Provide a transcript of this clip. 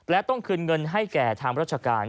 และต้องคืนเงินให้แก่ทางราชการ